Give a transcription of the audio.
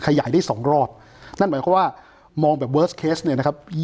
ขยายได้สองรอบนั่นหมายความว่ามองแบบเวิร์สเคสเนี่ยนะครับ